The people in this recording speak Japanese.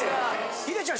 ヒデちゃん